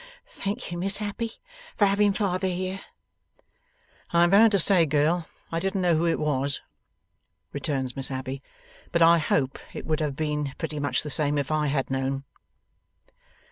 'Thank you, Miss Abbey, for having father here.' 'I am bound to say, girl, I didn't know who it was,' returns Miss Abbey; 'but I hope it would have been pretty much the same if I had known.